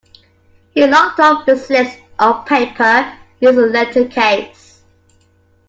He locked up the slips of paper in his letter case.